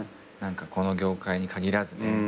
この業界に限らずね。